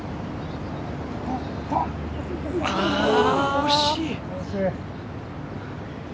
惜しい！